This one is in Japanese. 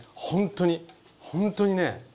本当に本当にね。